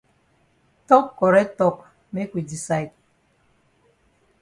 Tok correct tok make we decide.